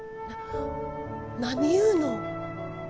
何言うの！？